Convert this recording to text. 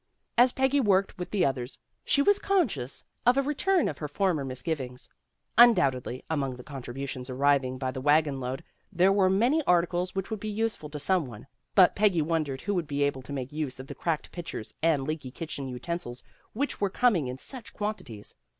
As Peggy worked with the others, she was conscious of a return of her former misgivings. Undoubtedly among the contributions arriving by the wagon load there were many articles which would be useful to some one, but Peggy wondered who would be able to make use of the cracked pitchers and leaky kitchen utensils which were coming in such quantities.